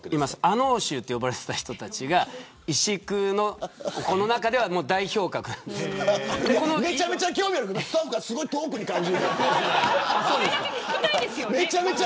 穴太衆と言われていた人たちが石工の中では代表格めちゃめちゃ興味あるけどスタッフが遠くに感じる。